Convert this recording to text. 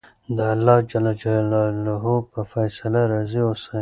د اللهﷻ په فیصله راضي اوسئ.